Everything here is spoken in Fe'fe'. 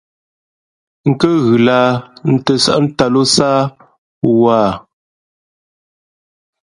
N kάghʉ lahā tᾱ nsάʼ ntāt lō sáá wāha ?